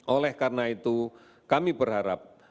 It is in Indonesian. oleh karena itu kami berharap